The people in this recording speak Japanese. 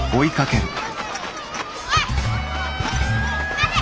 待て！